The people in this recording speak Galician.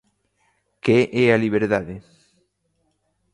Que é a liberdade?